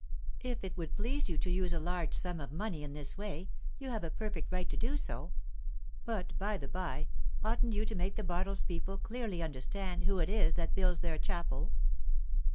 If it would please you to use a large sum of money in this way, you have a perfect right to do so. But, by the bye, oughtn't you to make the Bartles people clearly understand who it is that builds their chapel?"